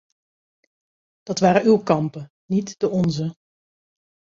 Dat waren uw kampen, niet de onze.